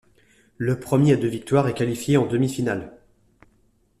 Le premier à deux victoires est qualifié en demi-finale.